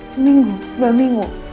seminggu dua minggu